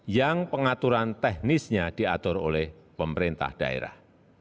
yang pengaturan teknisnya diatur oleh pemerintah daerah